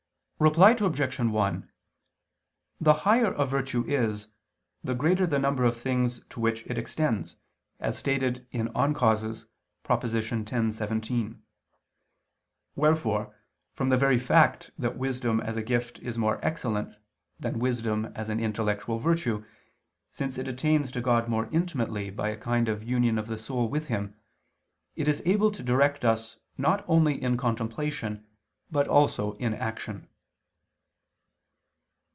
Reply Obj. 1: The higher a virtue is, the greater the number of things to which it extends, as stated in De Causis, prop. x, xvii. Wherefore from the very fact that wisdom as a gift is more excellent than wisdom as an intellectual virtue, since it attains to God more intimately by a kind of union of the soul with Him, it is able to direct us not only in contemplation but also in action.